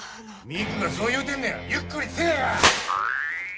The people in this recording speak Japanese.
美久がそう言うてんねやゆっくりせぇや！